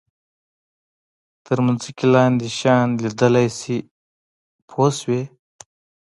تر ځمکې لاندې شیان لیدلای شي پوه شوې!.